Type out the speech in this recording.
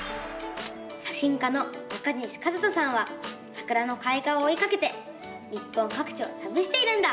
写真家の中西一登さんはさくらのかい花をおいかけて日本かく地をたびしているんだ！